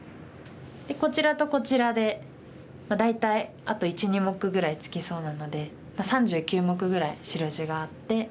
こちらとこちらで大体あと１２目ぐらいつきそうなので３９目ぐらい白地があって。